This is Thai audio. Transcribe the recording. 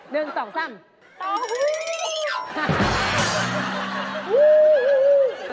เต้าหู้